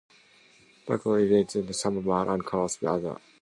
McCrory's rebranded some and closed others.